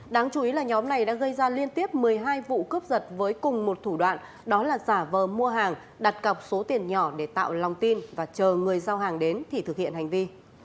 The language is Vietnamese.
đáng chú ý là nhóm này đã gây ra liên tiếp một mươi hai vụ cướp giật với cùng một thủ đoạn đó là giả vờ mua hàng đặt cọc số tiền nhỏ để tạo lòng tin và chờ người giao hàng đến thì thực hiện hành vi